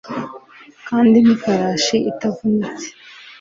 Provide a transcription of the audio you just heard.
Kandi nkifarashi itavunitse